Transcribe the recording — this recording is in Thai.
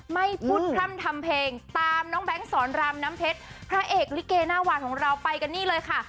ไม่พูดพร่ำทำเพลงตามน้องแบงค์สอนรามน้ำเพชรพระเอกลิเกหน้าหวานของเราไปกันนี่เลยค่ะ